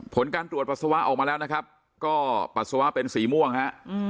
ผลการตรวจปัสสาวะออกมาแล้วนะครับก็ปัสสาวะเป็นสีม่วงฮะ